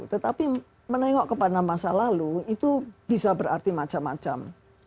tetapi menengok kepada masa lalu itu bisa berarti macam macam